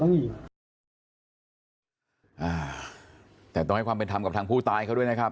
ต้องให้ความเป็นทำกับทางผู้ตายเขาด้วยนะครับ